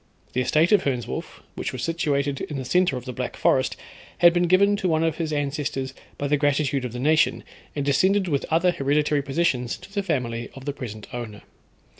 The estate of Hernswolf, which was situated in the centre of the Black Forest, had been given to one of his ancestors by the gratitude of the nation, and descended with other hereditary possessions to the family of the present owner.